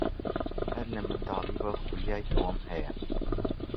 هەر لە منداڵییەوە خولیای ئەوەم هەیە.